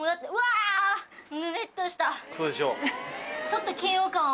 そうでしょ。